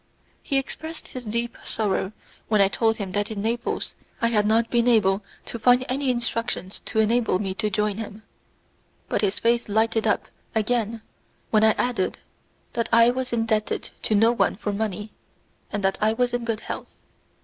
He expressed his deep sorrow when I told him that in Naples I had not been able to find any instructions to enable me to join him, but his face lighted up again when I added that I was indebted to no one for money, and that I was in good health.